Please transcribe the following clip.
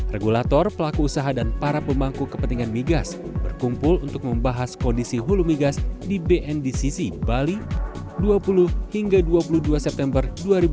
regulator pelaku usaha dan para pemangku kepentingan migas berkumpul untuk membahas kondisi hulu migas di bndcc bali dua puluh hingga dua puluh dua september dua ribu dua puluh